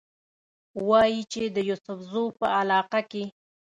وايي چې د يوسفزو پۀ علاقه کښې